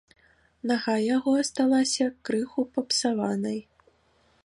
Нага яго асталася крыху папсаванай.